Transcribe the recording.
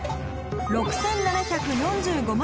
６７４５万